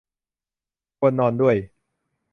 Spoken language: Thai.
ควรนอนด้วย